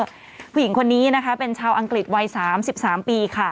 ผู้หญิงคนนี้นะคะเป็นชาวอังกฤษวัย๓๓ปีค่ะ